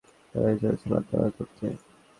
বনী ইসরাঈলরা এটার দিকে মুখ করে সালাত আদায় করত।